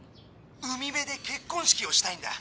海辺で結婚式をしたいんだ。